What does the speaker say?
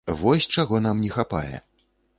Вось чаго нам не хапае.